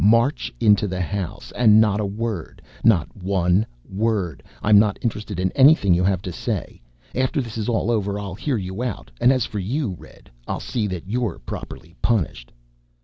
March! Into the house! And not a word; not one word! I'm not interested in anything you have to say. After this is all over, I'll hear you out and as for you, Red, I'll see that you're properly punished."